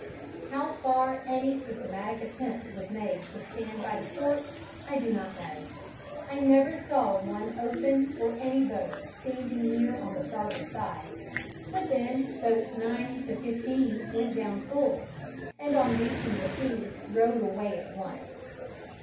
How far any systematic attempt was made to stand by the ports, I do not know: I never saw one open or any boat standing near on the starboard side; but then, boats 9 to 15 went down full, and on reaching the sea rowed away at once.